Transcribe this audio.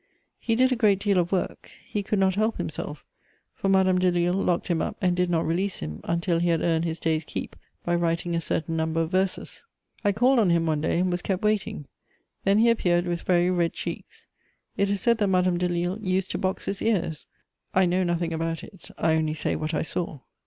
He did a great deal of work; he could not help himself, for Madame Delille locked him up and did not release him until he had earned his day's keep by writing a certain number of verses. I called on him one day, and was kept waiting; then he appeared with very red cheeks: it is said that Madame Delille used to box his ears; I know nothing about it; I only say what I saw.